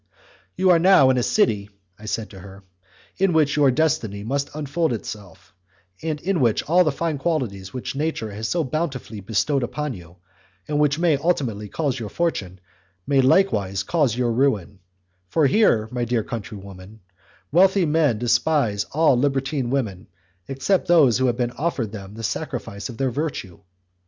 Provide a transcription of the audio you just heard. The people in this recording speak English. "You are now in a city," I said to her, "in which your destiny must unfold itself, and in which all the fine qualities which nature has so bountifully bestowed upon you, and which may ultimately cause your fortune, may likewise cause your ruin; for here, my dear countrywoman, wealthy men despise all libertine women except those who have offered them the sacrifice of their virtue.